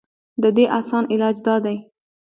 د دې اسان علاج دا دے